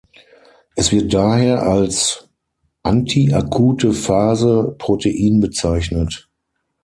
Es wird daher als Anti-Akute-Phase-Protein bezeichnet.